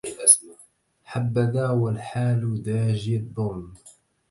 حبذا والحال داجي الظلم